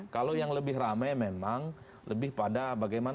kalau yang lebih rame memang lebih pada bagaimana